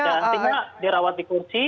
dan tiga dirawat di kursi